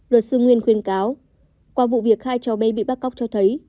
luật sư nguyên khuyên cáo qua vụ việc hai cháu bé bị bắt cóc cho thấy